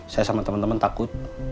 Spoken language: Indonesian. saya sama temen temen takut